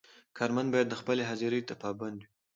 کارمند باید خپلې حاضرۍ ته پابند وي.